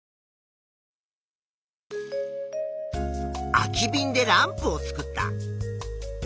空きびんでランプを作った。